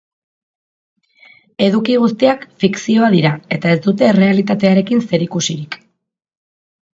Eduki guztiak fikzioa dira eta ez dute errealitatearekin zerikusirik.